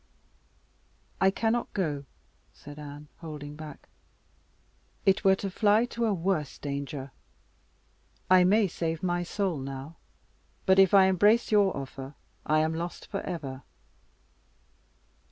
"I cannot go," said Anne, holding back; "it were to fly to a worse danger. I may save my soul now; but if I embrace your offer I am lost for ever."